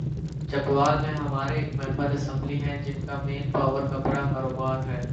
چکوال میں ہمارے ایک ممبر اسمبلی ہیں‘ جن کا مین پاور کا بڑا کاروبار ہے۔